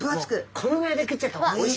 このぐらいで切っちゃった方がおいしい。